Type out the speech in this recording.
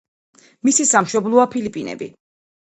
მისი სამშობლოა ფილიპინები.